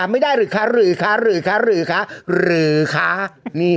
เสียงว่างันนะพี่